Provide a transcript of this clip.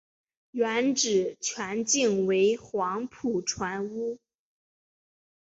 原址全境为黄埔船坞。